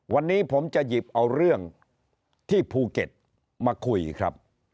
วันนี้ผมจะหยิบเอาเรื่องที่ภูเก็ตมาคุยครับ